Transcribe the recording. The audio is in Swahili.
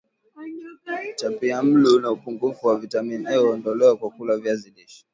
utapiamlo na upungufu wa vitamini A huondolewa kwa kula viazi lishe